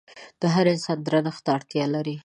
هر انسان درنښت ته اړتيا لري.